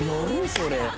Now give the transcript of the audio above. それ！